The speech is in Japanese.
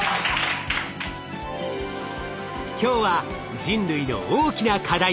今日は人類の大きな課題